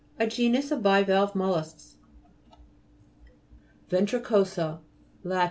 A genus of bivalve mol lusks. VENTRICO'SA Lat.